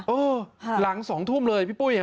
เออหลัง๒ทุ่มเลยพี่ปุ้ยฮ